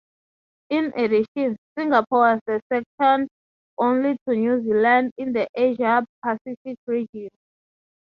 In addition, Singapore was second only to New Zealand in the Asia-Pacific region.